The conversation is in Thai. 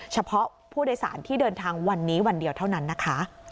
เฉพาะผู้โดยสารที่เดินทางวันนี้วันเดียวเท่านั้นนะคะ